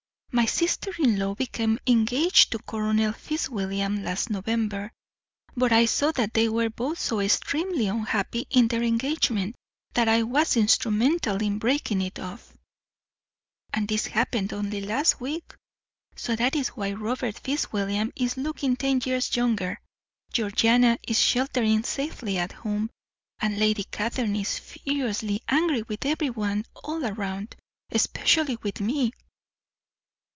"My sister in law became engaged to Colonel Fitzwilliam last November; but I saw that they were both so extremely unhappy in their engagement that I was instrumental in breaking it off, and this happened only last week; so that is why Robert Fitzwilliam is looking ten years younger, Georgiana is sheltering safely at home, and Lady Catherine is furiously angry with everyone all round, especially with me."